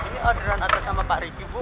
ini orderan order sama pak ricky bu